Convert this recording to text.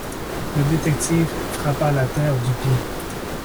Le détective frappa la terre du pied.